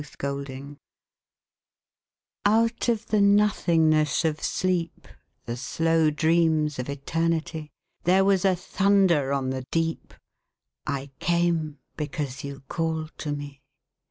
The Call Out of the nothingness of sleep, The slow dreams of Eternity, There was a thunder on the deep: I came, because you called to me.